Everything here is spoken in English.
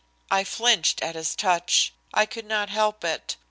I flinched at his touch. I could not help it.